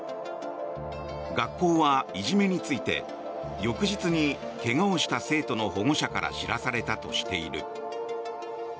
学校はいじめについて翌日に怪我をした生徒の保護者から知らされたとしている。